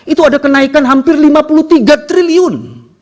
itu ada kenaikan hampir lima puluh tiga triliun